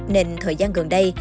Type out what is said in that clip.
nên thời gian gần đây